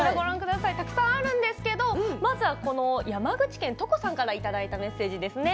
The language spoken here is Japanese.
たくさんあるんですけどまずは山口県の方からいただいたメッセージです。